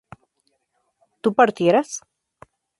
¿tú partieras?